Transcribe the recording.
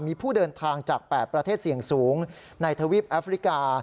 มีผู้เดินทางจาก๘ประเทศเสี่ยงสูงในทวีปแอฟริกา